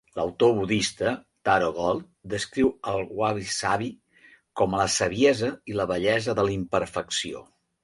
L'autor budista Taro Gold descriu el wabi-sabi com a "la saviesa i la bellesa de la imperfecció".